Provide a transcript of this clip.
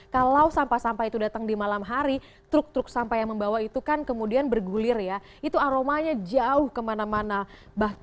kalau sampah sampah itu datang di malam hari truk truk sampah yang membawa itu kan kemudian bergulir ya itu aromanya jauh kemana mana bahkan saya tidak tinggal dekat dengan bantar gebang